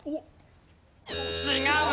違う！